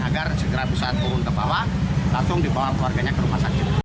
agar segera bisa turun ke bawah langsung dibawa keluarganya ke rumah sakit